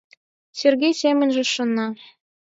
— Сергей семынже шона.